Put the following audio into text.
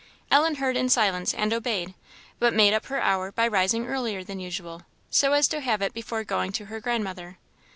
Ellen heard in silence, and obeyed, but made up her hour by rising earlier than usual, so as to have it before going to her grandmother.